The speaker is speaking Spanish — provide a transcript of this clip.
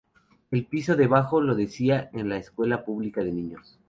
El piso de bajo lo dedica en la escuela pública de niños.